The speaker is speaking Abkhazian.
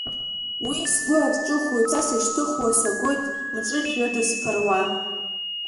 Уи сгәы арҿыхоит са сышьҭыхуа, сагоит мҵәыжәҩада сԥыруа.